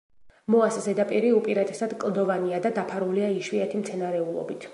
მოას ზედაპირი უპირატესად კლდოვანია და დაფარულია იშვიათი მცენარეულობით.